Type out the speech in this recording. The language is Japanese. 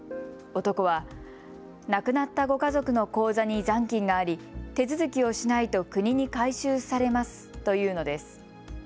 男は亡くなったご家族の口座に残金があり、手続きをしないと国に回収されますと言うのです。